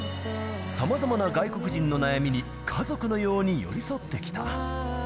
さまざまな外国人の悩みに家族のように寄り添ってきた。